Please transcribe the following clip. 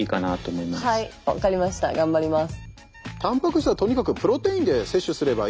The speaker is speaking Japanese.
はい分かりました頑張ります。